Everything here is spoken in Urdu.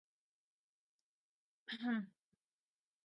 منینولوپس مینیسوٹا اروی کیلی_فورنیا